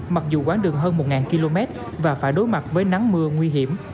mặc dù quán đường hơn một km và phải đối mặt với nắng mưa nguy hiểm